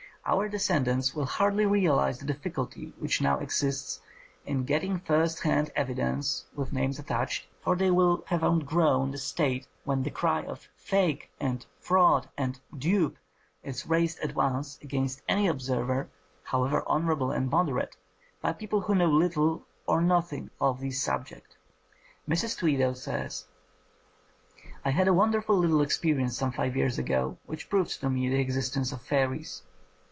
Our descendants will hardly realize the difficulty which now exists of getting first hand evidence vdth names attached, for they will have outgrown the state when the cry of "fake" and "fraud" and "dupe" is raised at once against any observer, however honourable and moderate, by people who know little or nothing of the subject. Mrs. Tweedale says: "I had a wonderful little experience some five years ago which proved to me the exist ence of fairies.